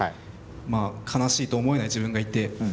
まあ悲しいと思えない自分がいて。